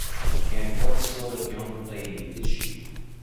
And what sort of young lady is she?